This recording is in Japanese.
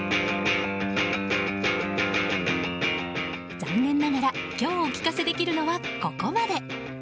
残念ながら今日お聴かせできるのはここまで。